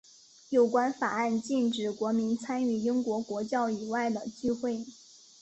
有关法案禁止国民参与英国国教以外的聚会。